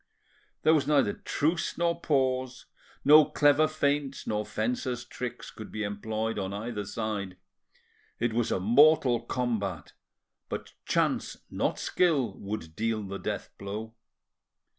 There was neither truce nor pause, no clever feints nor fencer's tricks could be employed on either side; it was a mortal combat, but chance, not skill, would deal the death blow.